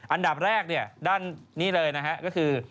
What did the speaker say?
อันดับแรกด้านนี้เลยนะครับก็คือ